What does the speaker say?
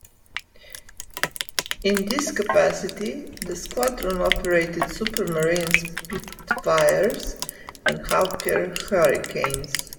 In this capacity, the squadron operated Supermarine Spitfires and Hawker Hurricanes.